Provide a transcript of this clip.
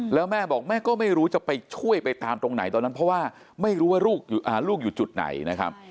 แล้วแม่บอกแม่ก็ไม่รู้จะไปช่วยไปตามตรงไหนตอนนั้นเพราะว่าไม่รู้ว่าลูกอยู่จุดไหนนะครับ